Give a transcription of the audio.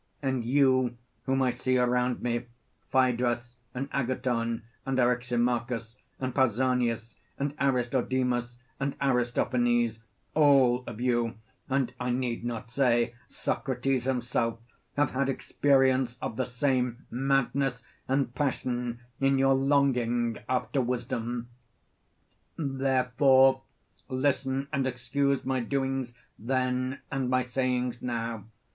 And you whom I see around me, Phaedrus and Agathon and Eryximachus and Pausanias and Aristodemus and Aristophanes, all of you, and I need not say Socrates himself, have had experience of the same madness and passion in your longing after wisdom. Therefore listen and excuse my doings then and my sayings now.